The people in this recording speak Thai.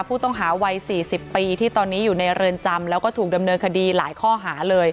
ผู้ต้องหาวัย๔๐ปีที่ตอนนี้อยู่ในเรือนจำแล้วก็ถูกดำเนินคดีหลายข้อหาเลย